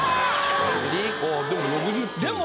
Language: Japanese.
でも６０点。